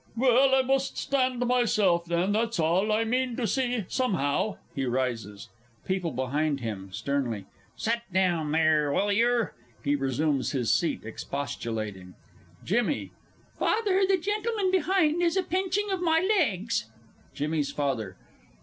Well, I must stand myself then, that's all. I mean to see, somehow! [He rises. PEOPLE BEHIND HIM (sternly). Set down there, will yer? [He resumes his seat expostulating. JIMMY. Father, the gentleman behind is a pinching of my legs! JIMMY'S FATHER.